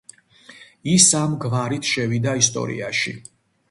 ის ამ გვარით შევიდა ისტორიაში.